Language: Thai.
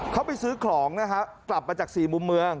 เขาไปซื้อของนะฮะกลับมาจากสี่มุมเมือง